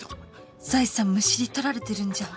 財産むしり取られてるんじゃ